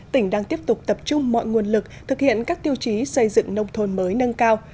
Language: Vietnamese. tỉnh đang tiếp tục tập trung mọi nguồn lực thực hiện các tiêu chí xây dựng nông thôn mới nâng cao